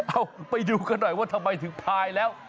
เอาไปดูกันหน่อยว่าทำไมถึงพายแล้ว